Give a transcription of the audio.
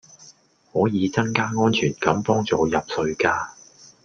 可以增加安全感幫助入睡架